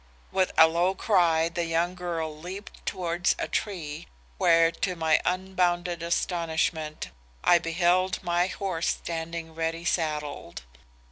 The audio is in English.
With a low cry the young girl leaped towards a tree where to my unbounded astonishment I beheld my horse standing ready saddled.